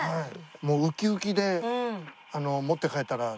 ウキウキで持って帰ったら。